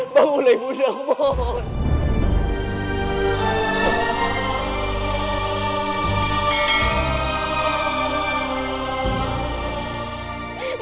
bangunlah ibu nda aku mohon